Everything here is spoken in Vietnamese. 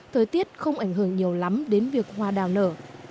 thời tiết không ảnh hưởng nhiều lắm đến việc hoa đào nở